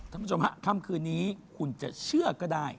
ท่านผู้ชมครับคำคืนนี้คุณจะเชื่อก็ได้